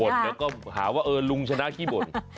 แล้วก็หาว่าเออลุงชนะขี้บ่น